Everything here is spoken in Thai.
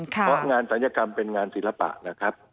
เพราะงานศัลยกรรมเป็นงานศิลปะนะครับ